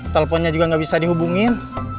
teleponnya juga nggak bisa dihubungin